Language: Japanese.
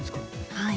はい。